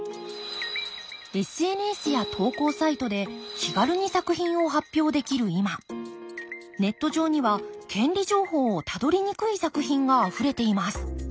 ＳＮＳや投稿サイトで気軽に作品を発表できる今ネット上には権利情報をたどりにくい作品があふれています。